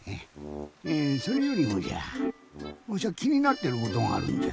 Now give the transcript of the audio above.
えぇそれよりもじゃぁわしゃきになってることがあるんじゃ。